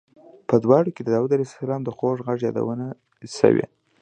په دواړو کې د داود علیه السلام د خوږ غږ یادونه شوې.